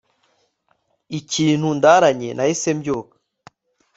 ikintu ndaranye nahise mbyuka